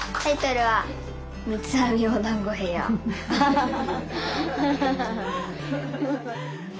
ハハハハ！